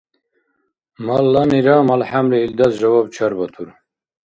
Малланира малхӀямли илдас жаваб чарбатур.